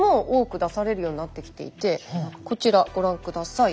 こちらご覧下さい。